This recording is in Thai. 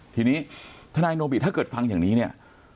ทีนี้ทนายโนบิถ้าเกิดฟังอย่างนี้เนี่ย